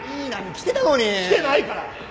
きてないから！